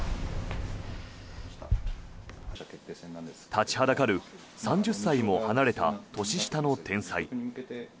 立ちはだかる３０歳も離れた年下の天才。